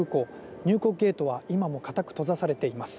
入国ゲートは今も固く閉ざされています。